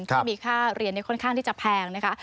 ที่มีค่าเรียนค่อนข้างที่จะแพงนะคะ